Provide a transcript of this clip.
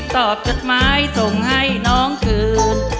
อบจดหมายส่งให้น้องคืน